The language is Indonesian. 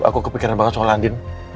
aku kepikiran banget soal andin